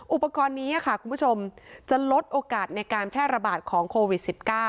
อุปกรณ์นี้ค่ะคุณผู้ชมจะลดโอกาสในการแพร่ระบาดของโควิด๑๙